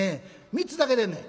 ３つだけでんねん」。